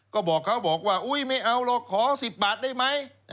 ก็บอกเขาบอกว่าอุ๊ยไม่เอาหรอกขอ๑๐บาทได้ไหม